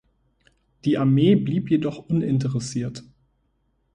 Die Armee blieb jedoch uninteressiert.